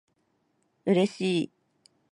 嬉しい